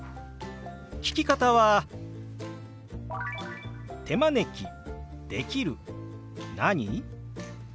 聞き方は「手招きできる何？」。